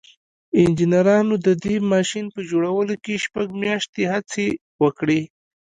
انجنيرانو د دې ماشين په جوړولو کې شپږ مياشتې هڅې وکړې.